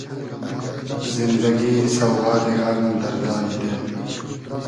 زیندئگی سۆغادی غئم , دئردای دیل